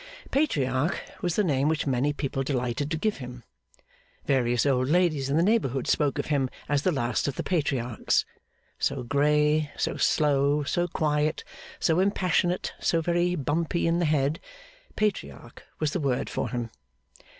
Patriarch was the name which many people delighted to give him. Various old ladies in the neighbourhood spoke of him as The Last of the Patriarchs. So grey, so slow, so quiet, so impassionate, so very bumpy in the head, Patriarch was the word for him.